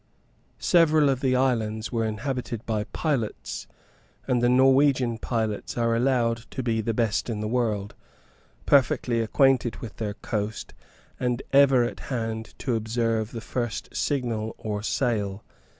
Several of the islands were inhabited by pilots; and the Norwegian pilots are allowed to be the best in the world perfectly acquainted with their coast, and ever at hand to observe the first signal or sail.